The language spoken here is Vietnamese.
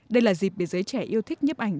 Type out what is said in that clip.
đây là dịp để giới trẻ yêu thích nhiếp ảnh